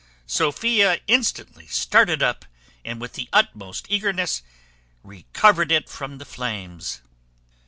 Sophia instantly started up, and with the utmost eagerness recovered it from the flames.